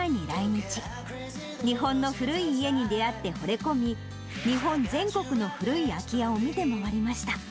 日本の古い家に出会ってほれ込み、日本全国の古い空き家を見て回りました。